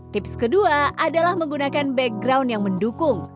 tips kedua adalah menggunakan background yang mendukung